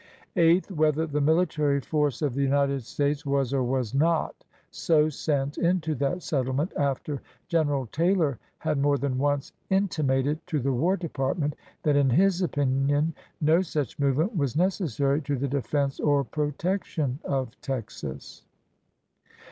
Eighth. Whether the military force of the United States was or was not so sent into that settlement after General Taylor had more than once intimated to the War Depart ment that in his opinion no such movement was necessary to the defense or protection of Texas.